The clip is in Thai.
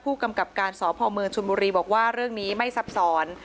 ผู้กำกับการทสอยป่อมือฉุนโบรีบอกว่าเรื่องนี้ไม่ซับสอน